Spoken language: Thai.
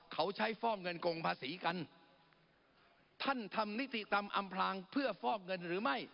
เขาใช้ฟอกเงินโกงภาษีกันท่านทำนิติกรรมอำพลางเพื่อฟอกเงินหรือไม่